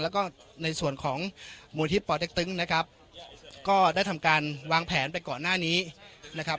แล้วก็ในส่วนของนะครับก็ได้ทำการวางแผนไปก่อนหน้านี้นะครับ